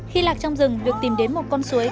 khi lạc trong rừng việc tìm đến một con suối